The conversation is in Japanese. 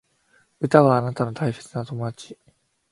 歌はあなたの大切な友達